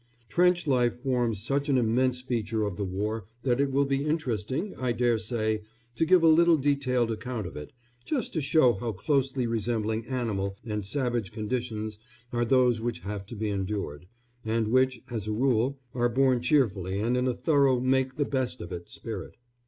Trench life forms such an immense feature of the war that it will be interesting, I dare say, to give a little detailed account of it, just to show how closely resembling animal and savage conditions are those which have to be endured, and which, as a rule, are borne cheerfully and in a thorough make the best of it spirit.